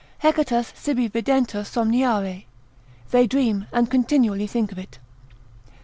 Hecatas sibi videntur somniare, they dream and continually think of it.